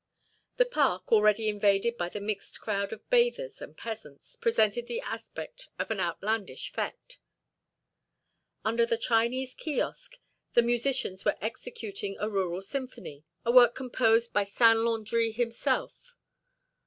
The park, already invaded by the mixed crowd of bathers and peasants, presented the aspect of an outlandish fête. Under their Chinese kiosque the musicians were executing a rural symphony, a work composed by Saint Landri himself.